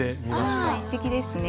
すてきですね。